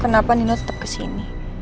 kenapa nino tetep kesini